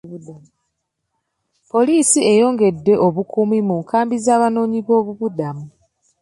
Poliisi eyongedde obukuumi mu nkambi z'abanoonyi boobubudamu.